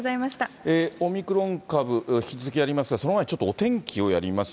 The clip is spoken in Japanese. オミクロン株、引き続きやりますが、ちょっとお天気をやります。